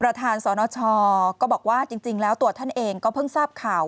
ประธานสนชก็บอกว่าจริงแล้วตัวท่านเองก็เพิ่งทราบข่าว